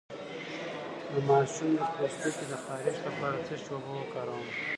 د ماشوم د پوستکي د خارښ لپاره د څه شي اوبه وکاروم؟